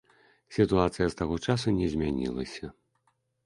Сітуацыя з таго часу не змянілася.